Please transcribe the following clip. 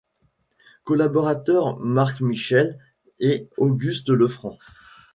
Collaborateurs Marc-Michel et Auguste Lefranc.